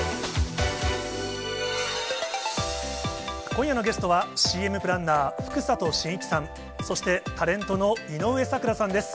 今夜のゲストは、ＣＭプランナー、福里真一さん、そして、タレントの井上咲楽さんです。